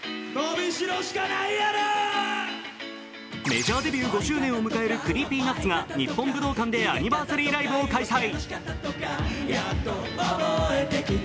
メジャーデビュー５周年を迎えるＣｒｅｅｐｙＮｕｔｓが日本武道館でアニバーサリーライブを開催。